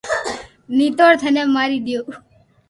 نيتوڻ ٿني ماري دآئو